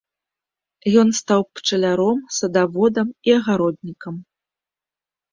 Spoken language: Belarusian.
Ён стаў пчаляром, садаводам і агароднікам.